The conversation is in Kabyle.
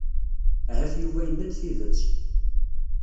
Ahat Yuba yenna-d tidet.